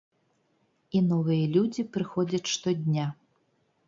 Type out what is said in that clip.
І новыя людзі прыходзяць штодня.